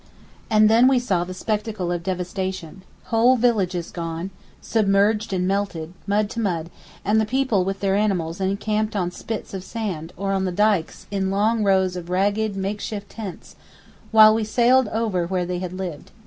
And then we saw the spectacle of devastation—whole villages gone, submerged and melted, mud to mud, and the people with their animals encamped on spits of sand or on the dykes in long rows of ragged makeshift tents, while we sailed over where they had lived.